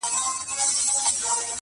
د چا له کوره وشړمه سیوری د شیطان-